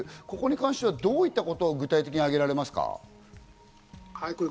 ここに関してはどういったことが具体的に挙げられますか？